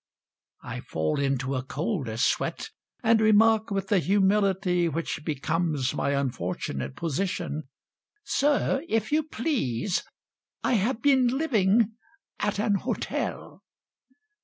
I fall into a colder sweat And remark, With a humility Which becomes my unfortunate position, "Sir, if you please, I have been living at an hotel."